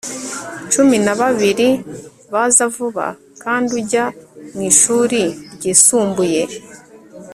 Cumi na babiri baza vuba kandi ujya mwishuri ryisumbuye